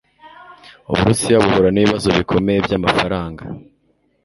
Uburusiya buhura nibibazo bikomeye byamafaranga